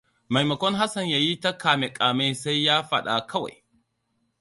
Maimakon Hassan ya yi ta kame-kame sai ya faɗa kawai.